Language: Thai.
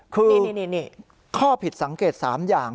คือข้อผิดสังเกตสามอย่าง